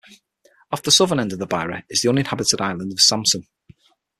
Off the southern end of Bryher is the uninhabited island of Samson.